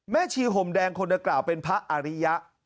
แม่ชีห่มแดงคนกล่าวเป็นพระอริยะ